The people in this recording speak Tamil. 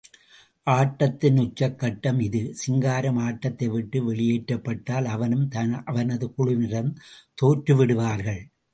ஆட்டத்தின் உச்சக்கட்டம் இது, சிங்காரம் ஆட்டத்தைவிட்டு வெளியேற்றபட்டால், அவனும் அவனது குழுவினரும் தோற்று விடுவார்கள்.